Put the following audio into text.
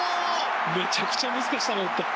めちゃくちゃ難しい球打った。